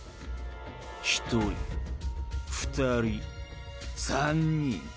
１人２人３人。